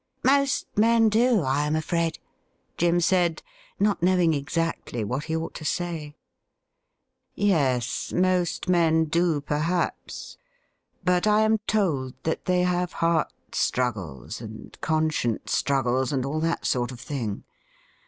'Most men do, I am afraid,' Jim said, not knowing exactly what he ought to say, SIR FRANCIS ROSE 139 * Yes, most men do, perhaps ; but I am told that they have heart struggles, and conscience struggles, and aU that sort of thing.